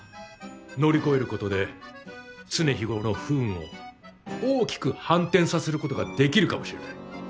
乗り越えることで常日頃の不運を大きく反転させることができるかもしれない。